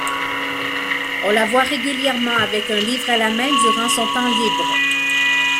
On la voit régulièrement avec un livre à la main durant son temps libre.